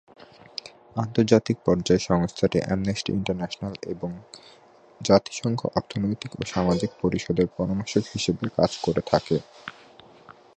আন্তর্জাতিক পর্যায়ে সংস্থাটি অ্যামনেস্টি ইন্টারন্যাশনাল এবং জাতিসংঘ অর্থনৈতিক ও সামাজিক পরিষদের পরামর্শক হিসেবে কাজ করে থাকে।